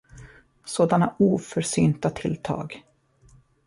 Sådana oförsynta tilltag!